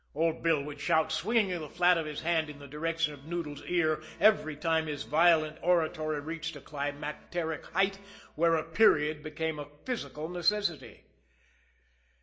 old Bill would shout, swinging the flat of his hand in the direction of Noodles' ear every time his violent oratory reached a climacteric height where a period became a physical necessity.